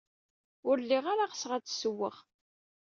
Ur lliɣ ara ɣseɣ ad d-ssewweɣ.